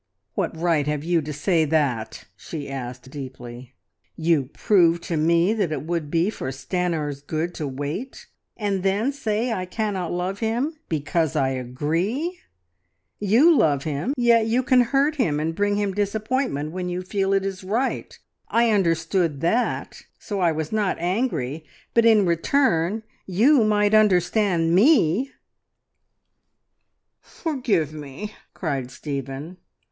"What right have you to say that?" she asked deeply. "You prove to me that it would be for Stanor's good to wait, and then say I cannot love him because I agree! You love him, yet you can hurt him and bring him disappointment when you feel it is right. I understood that, so I was not angry, but in return you might understand me!" "Forgive me!" cried Stephen.